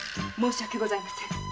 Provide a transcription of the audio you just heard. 申し訳ございません。